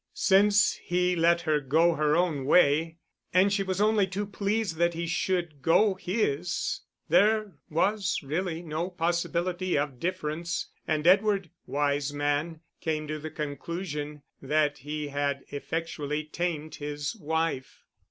Since he let her go her own way and she was only too pleased that he should go his, there was really no possibility of difference, and Edward, wise man, came to the conclusion that he had effectually tamed his wife.